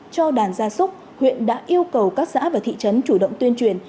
cho đàn gia súc huyện đã yêu cầu các xã và thị trấn chủ động tuyên truyền